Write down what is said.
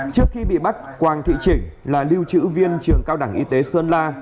trước khi bị bắt quang thị trịnh là lưu trữ viên trường cao đẳng y tế sơn la